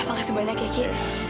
makasih banyak ya ki